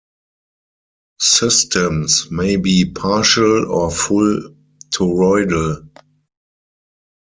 Systems may be partial or full toroidal.